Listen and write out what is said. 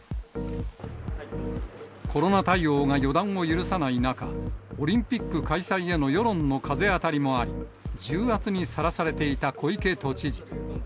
コロナ対応が予断を許さない中、オリンピック開催への世論の風当たりもあり、重圧にさらされていた小池都知事。